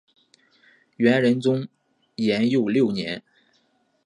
元仁宗延佑六年。